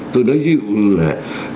tôi nói ví dụ là